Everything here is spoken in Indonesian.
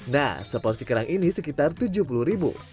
nah sepos di kerang ini sekitar tujuh puluh ribu